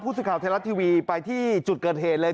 สื่อข่าวไทยรัฐทีวีไปที่จุดเกิดเหตุเลย